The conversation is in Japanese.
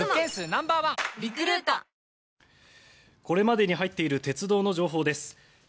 これまでに入っている鉄道の情報です。